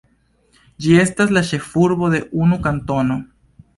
Ĝi estas la ĉefurbo de unu kantono.